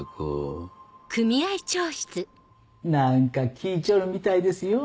何か効いちょるみたいですよ。